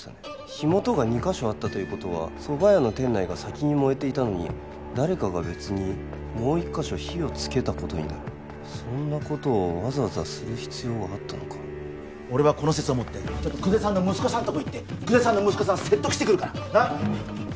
火元が２カ所あったということは蕎麦屋の店内が先に燃えていたのに誰かが別にもう１カ所火を付けたことになるそんなことをわざわざする必要があったのか俺はこの説を持って久世さんの息子さんとこ行って久世さんの息子さん説得してくるからなっ